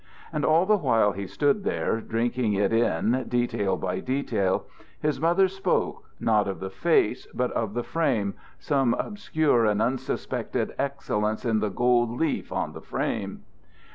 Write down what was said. And all the while he stood there, drinking it in, detail by detail, his mother spoke, not of the face, but of the frame, some obscure and unsuspected excellence in the gold leaf on the frame.